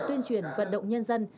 tuyên truyền vận động nhân dân